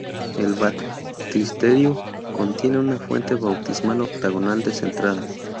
El baptisterio contiene una fuente bautismal octagonal descentrada.